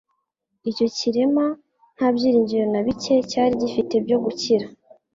icyo kirema nta byiringiro na bike cyari gifite byo gukira.